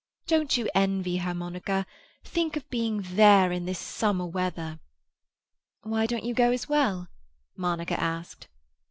Don't you envy her, Monica? Think of being there in this summer weather!" "Why don't you go as well?" Monica asked.